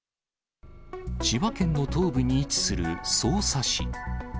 千葉県の東部に位置する匝瑳市。